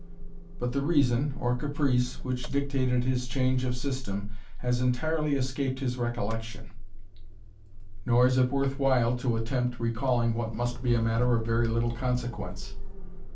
But the reason, or caprice, which dictated his change of system, has entirely escaped his recollection, nor is it worth while to attempt recalling what must be a matter of very little consequence.